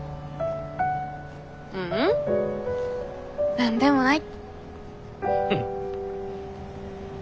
ううん何でもない。